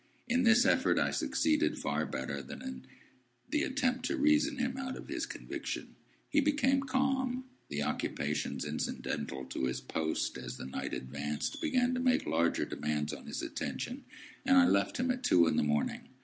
In this effort I succeeded far better than in the attempt to reason him out of his conviction. He became calm; the occupations incidental to his post as the night advanced began to make larger demands on his attention: and I left him at two in the morning.